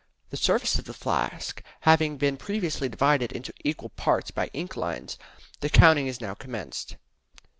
The surface of the flask having been previously divided into equal parts by ink lines, the counting is now commenced.